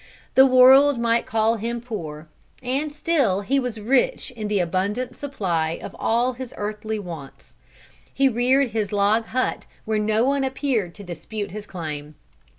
The world might call him poor, and still he was rich in the abundant supply of all his earthly wants. He reared his log hut where no one appeared to dispute his claim.